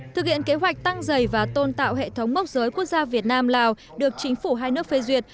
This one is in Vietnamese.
thực hiện kế hoạch tăng dày và tôn tạo hệ thống mốc giới quốc gia việt nam lào được chính phủ hai nước phê duyệt